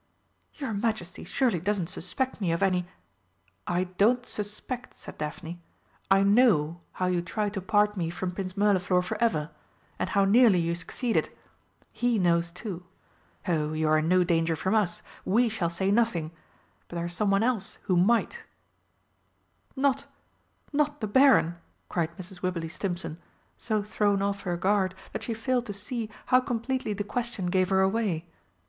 "Your Majesty surely doesn't suspect me of any ?" "I don't suspect," said Daphne, "I know how you tried to part me from Prince Mirliflor for ever and how nearly you succeeded. He knows, too.... Oh, you are in no danger from us we shall say nothing. But there is someone else who might." "Not not the Baron?" cried Mrs. Wibberley Stimpson, so thrown off her guard that she failed to see how completely the question gave her away.